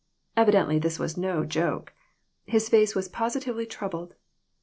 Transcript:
Evidently this was no joke. His face was positively troubled.